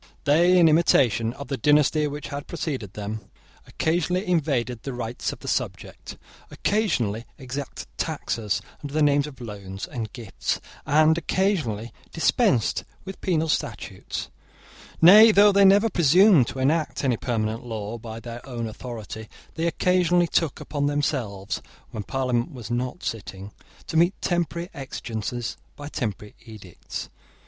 They, in imitation of the dynasty which had preceded them, occasionally invaded the rights of the subject, occasionally exacted taxes under the name of loans and gifts, and occasionally dispensed with penal statutes: nay, though they never presumed to enact any permanent law by their own authority, they occasionally took upon themselves, when Parliament was not sitting, to meet temporary exigencies by temporary edicts.